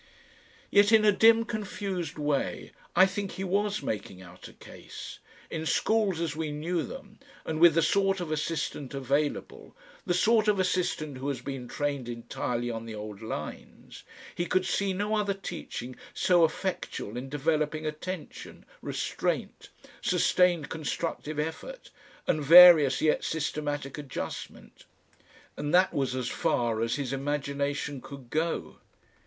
Yet in a dim confused way I think he was making out a case. In schools as we knew them, and with the sort of assistant available, the sort of assistant who has been trained entirely on the old lines, he could see no other teaching so effectual in developing attention, restraint, sustained constructive effort and various yet systematic adjustment. And that was as far as his imagination could go.